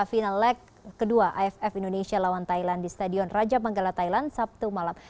final leg kedua aff indonesia lawan thailand di stadion raja manggala thailand sabtu malam